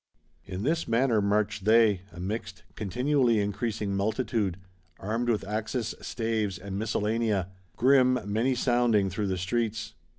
In this manner march they, a mixed, continually increasing multitude; armed with axes, staves and miscellanea; grim, many sounding, through the streets.